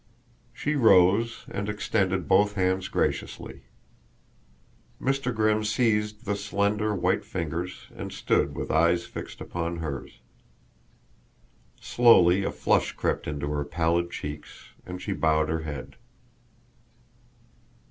She rose and extended both hands graciously. Mr. Grimm seized the slender white fingers and stood with eyes fixed upon hers. Slowly a flush crept into her pallid cheeks, and she bowed her head.